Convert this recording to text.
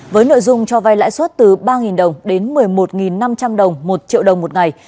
với nội dung cho vai lãi suất từ ba đồng đến một mươi một năm trăm linh đồng một triệu đồng một ngày